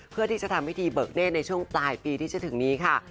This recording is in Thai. เพื่อที่จะทำพิธีเบิกเนธในช่วงปลายปีที่จะถึงนี้ค่ะ